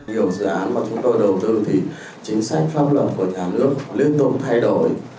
nhiều dự án mà chúng tôi đầu tư thì chính sách pháp luật của nhà nước liên tục thay đổi